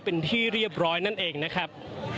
เป็นที่เรียบร้อยนั่นเองนะครับ